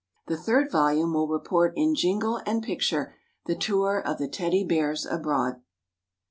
The third volume will report in jingle and picture the tour of the Teddy Bears abroad.